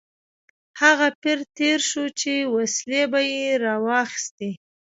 هغه پیر تېر شو چې وسلې به یې راواخیستې.